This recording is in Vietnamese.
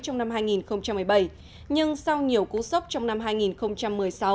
trong năm hai nghìn một mươi bảy nhưng sau nhiều cú sốc trong năm hai nghìn một mươi sáu